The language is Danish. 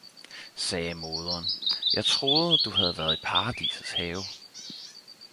sagde moderen, jeg troede, du havde været i Paradisets have.